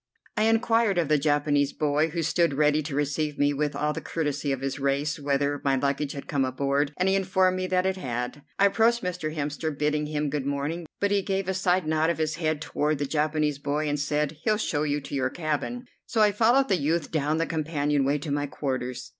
I inquired of the Japanese boy, who stood ready to receive me with all the courtesy of his race, whether my luggage had come aboard, and he informed me that it had. I approached Mr. Hemster, bidding him good morning, but he gave a side nod of his head toward the Japanese boy and said, "He'll show you to your cabin," so I followed the youth down the companion way to my quarters.